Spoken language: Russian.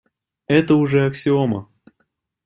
Это уж аксиома.